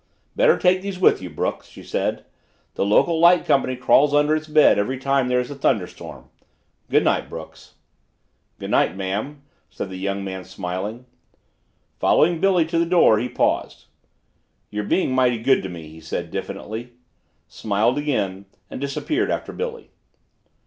"Better take these with you, Brooks," she said. "The local light company crawls under its bed every time there is a thunderstorm. Good night, Brooks." "Good night, ma'am," said the young man smiling. Following Billy to the door, he paused. "You're being mighty good to me," he said diffidently, smiled again, and disappeared after Billy.